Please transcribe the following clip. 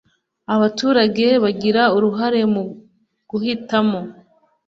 Abaturage bagira uruhare mu guhitamo.